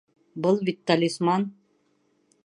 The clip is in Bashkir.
Был бит талисман!